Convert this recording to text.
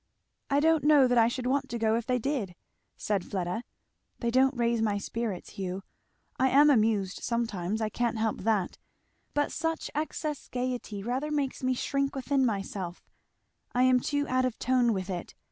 "I don't know that I should want to go if they did," said Fleda. "They don't raise my spirits, Hugh. I am amused sometimes, I can't help that, but such excessive gayety rather makes me shrink within myself; I am too out of tone with it.